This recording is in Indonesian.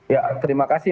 ya terima kasih